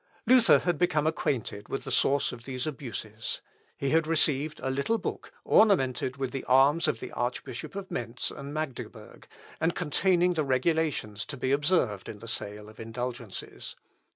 Luther had become acquainted with the source of these abuses. He had received a little book, ornamented with the arms of the Archbishop of Mentz and Magdeburg, and containing the regulations to be observed in the sale of indulgences.